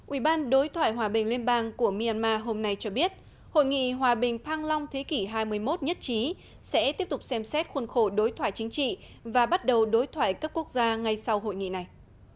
ủy ban đối thoại hòa bình liên bang của myanmar hôm nay cho biết hội nghị hòa bình vang long thế kỷ hai mươi một nhất trí sẽ tiếp tục xem xét khuôn khổ đối thoại chính trị và bắt đầu đối thoại cấp quốc gia ngay sau hội nghị này